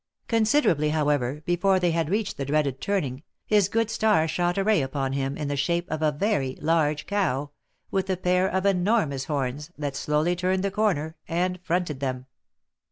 Considerably, however, before they had reached the dreaded turning, his good star shot a ray upon him in the shape of a very large cow, with a pair of enormous horns, that slowly turned the corner, and fronted them.